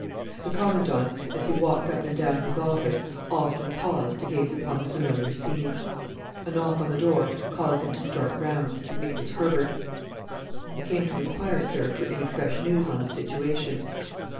The Commandant, as he walked up and down his office, often paused to gaze upon the familiar scene. A knock on the door caused him to start round. It was Herbert. "I came to inquire, sir, for any fresh news on the situation."